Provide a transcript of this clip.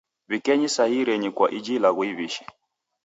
W'ikenyi sahii renyu kwa iji ilaghano iw'ishi